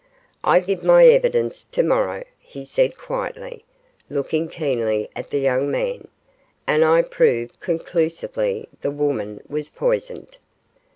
'I give my evidence to morrow,' he said quietly, looking keenly at the young man, 'and I prove conclusively the woman was poisoned.